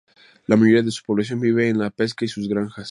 La mayoría de su población vive de la pesca y sus granjas.